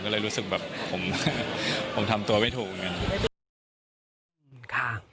ก็เลยรู้สึกแบบผมทำตัวไม่ถูก